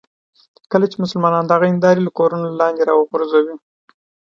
کله چې مسلمانان دغه هندارې له کورونو لاندې راوغورځوي.